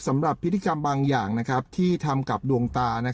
สำหรับพิธีกรรมบางอย่างที่ทำกับดวงตา